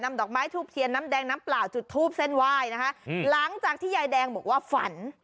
ดอกไม้ทูบเทียนน้ำแดงน้ำเปล่าจุดทูปเส้นไหว้นะคะหลังจากที่ยายแดงบอกว่าฝัน